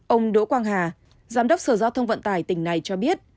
ông đỗ quang hà giám đốc sở giao thông vận tải tp hcm cho biết